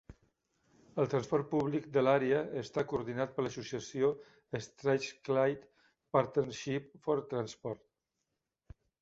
El transport públic de l'àrea està coordinat per l'associació Strathclyde Partnership for Transport.